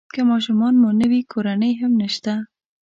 که ماشومان مو نه وي کورنۍ هم نشته.